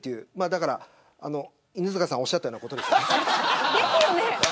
だから犬塚さんがおっしゃっていたとおりです。ですよね。